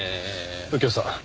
右京さん